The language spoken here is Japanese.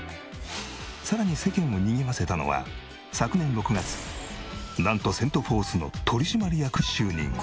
さらに世間をにぎわせたのは昨年６月なんとセント・フォースの取締役に就任。